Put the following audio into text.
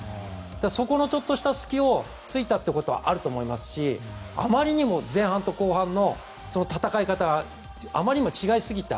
そこのちょっとした隙を突いたことはあると思いますしあまりにも前半と後半の戦い方が違いすぎた。